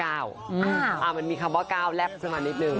อ่ามันมีคำว่า๙แลบสมันนิดนึง